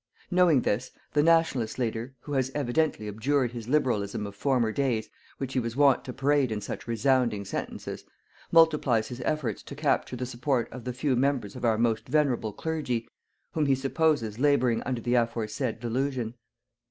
Knowing this, the Nationalist leader, who has evidently abjured his liberalism of former days, which he was wont to parade in such resounding sentences, multiplies his efforts to capture the support of the few members of our most venerable Clergy whom he supposes labouring under the aforesaid delusion.